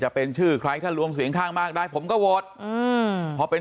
จะเป็นชื่อใครถ้ารวมเสียงข้างมากได้ผมก็โหวตอืมพอเป็น